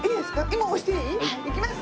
今押していい？いきます！